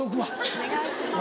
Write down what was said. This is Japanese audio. お願いします。